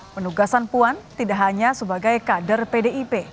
penugasan puan tidak hanya sebagai kader pdip